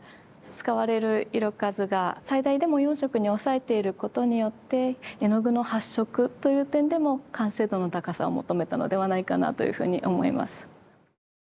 使われる色数が最大でも４色に抑えていることによって絵の具の発色という点でも完成度の高さを求めたのではないかなというふうに思います。